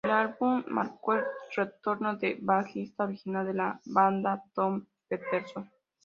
El álbum marcó el retorno del bajista original de la banda, Tom Petersson.